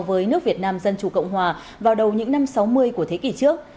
với nước việt nam dân chủ cộng hòa vào đầu những năm sáu mươi của thế kỷ trước